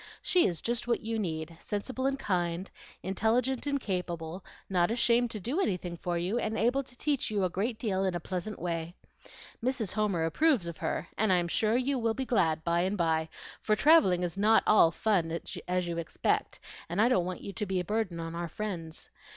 She is just what you need, sensible and kind, intelligent and capable; not ashamed to do anything for you, and able to teach you a great deal in a pleasant way. Mrs. Homer approves of her, and I am sure you will be glad by and by; for travelling is not all 'fun,' as you expect, and I don't want you to be a burden on our friends.